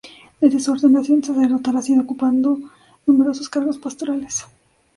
Desde su ordenación sacerdotal ha ido ocupando numerosos cargos pastorales.